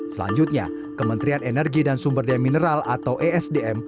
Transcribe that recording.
selanjutnya kementerian energi dan sumber daya mineral atau esdm